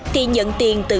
thì nhận tiền tự lo